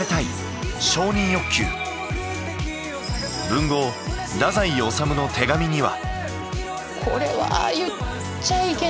文豪太宰治の手紙には。